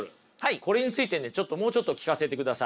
これについてねちょっともうちょっと聞かせてください。